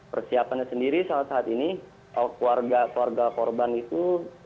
persiapannya sendiri saat saat ini keluarga keluarga korban itu